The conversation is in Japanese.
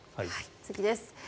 次です。